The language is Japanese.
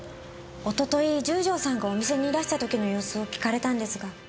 おととい十条さんがお店にいらした時の様子を聞かれたんですが。